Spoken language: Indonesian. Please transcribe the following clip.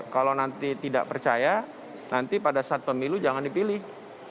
kalau nanti tidak percaya nanti pada saat pemilu jangan dipilih